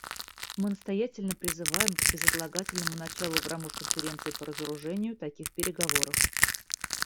Мы настоятельно призываем к безотлагательному началу в рамках Конференции по разоружению таких переговоров.